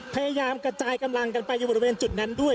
พยายามกระจายกำลังกันไปอยู่บริเวณจุดนั้นด้วย